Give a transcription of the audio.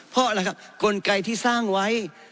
เพราะอะไรครับกลไกที่สร้างไว้